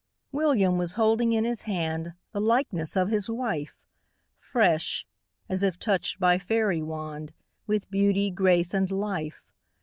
William was holding in his hand The likeness of his wife! Fresh, as if touched by fairy wand, With beauty, grace, and life.